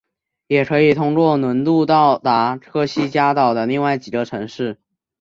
也可以通过轮渡到达科西嘉岛的另外几个城市。